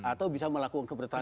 atau bisa melakukan keberatan